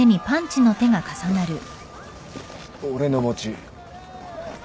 俺の餅。